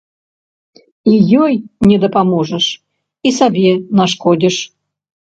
І ёй не дапаможаш, і сабе нашкодзіш.